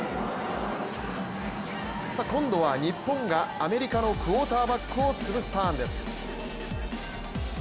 今度は日本がアメリカのクオーターバックをつぶすターンです。